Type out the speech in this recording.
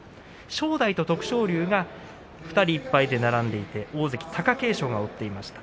正代と徳勝龍が２人１敗で並んで大関貴景勝が追っていました。